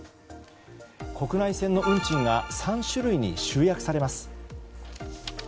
国内線の運賃が３種類に集約されます。